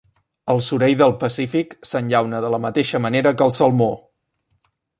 El sorell del Pacífic s'enllauna de la mateixa manera que el salmó.